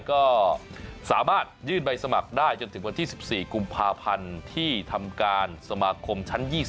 ก็สามารถยื่นใบสมัครได้จนถึงวันที่๑๔กุมภาพันธ์ที่ทำการสมาคมชั้น๒๐